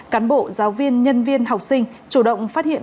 cán bộ giáo viên nhân viên học sinh chủ động phát hiện